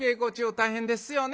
大変ですよね。